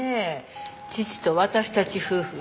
父と私たち夫婦